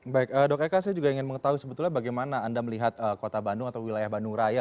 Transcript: baik dok eka saya juga ingin mengetahui sebetulnya bagaimana anda melihat kota bandung atau wilayah bandung raya